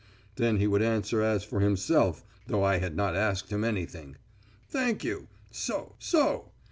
Then he would answer as for himself, though I had not asked him anything: "Thank you. So so.